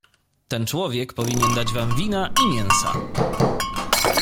"Ten człowiek powinien dać wam wina i mięsa."